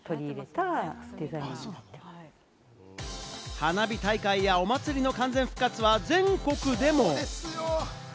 花火大会や、お祭りの完全復活は全国でも。